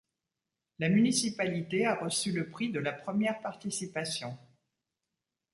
La municipalité a reçu le prix de la première participation.